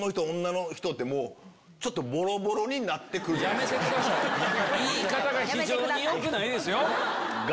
やめてください言い方が非常によくないですよ。